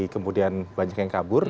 kemudian banyak yang kabur